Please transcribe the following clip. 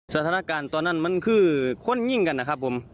สถานการณ์ตอนนั้นมันคือคนยิ่งกันนะครับผม